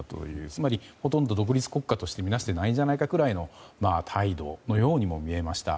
つまり、ほとんど独立国家としてみなしてないんじゃないかというぐらいの態度に見えました。